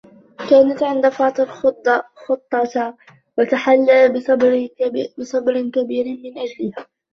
كانت عند فاضل خطّة و تحلّى بصبر كبير من أجلها.